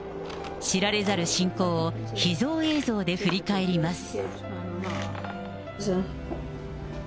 知られざる親交を、秘蔵映像で振り返ります。